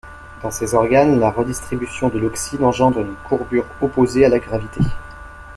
Dans ces organes, la redistribution de l'auxine engendre une courbure opposée à la gravité.